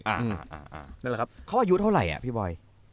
นั่นแหละครับเขาอายุเท่าไหร่อ่ะพี่บอย